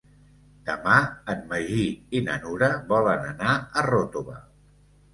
Demà en Magí i na Nura volen anar a Ròtova.